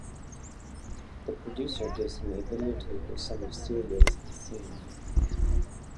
The producer gives him a videotape of some of Celia's scenes.